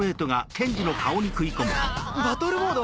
バトルモード